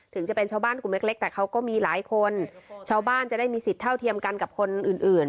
ถึงจะเป็นชาวบ้านกลุ่มเล็กแต่เขาก็มีหลายคนชาวบ้านจะได้มีสิทธิ์เท่าเทียมกันกับคนอื่นอื่น